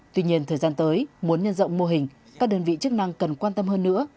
tuy nhiên thời gian tới muốn nhân rộng mô hình các đơn vị chức năng cần quan tâm hơn nữa